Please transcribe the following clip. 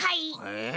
え